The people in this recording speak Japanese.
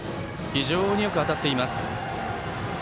非常によく当たっています。